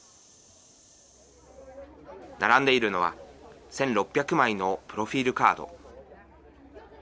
並んでいるのは、１６００枚のプロフィールカード。